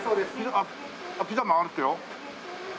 あっピザも上がるってよ。